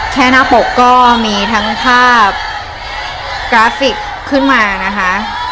แค่หน้าปกก็มีทั้งภาพกราฟิกขึ้นมานะคะ